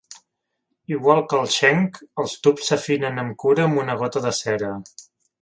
Igual que el sheng, els tubs s'afinen amb cura amb una gota de cera.